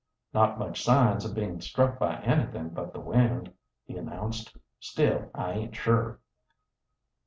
"Not much signs of being struck by anything but the wind," he announced. "Still, I aint sure."